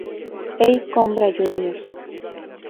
E. Coimbra Jr.